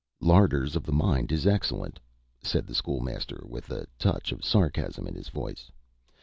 "Larders of the mind is excellent," said the School Master, with a touch of sarcasm in his voice.